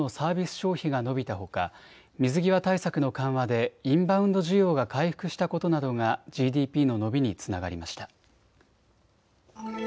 消費が伸びたほか水際対策の緩和でインバウンド需要が回復したことなどがＧＤＰの伸びにつながりました。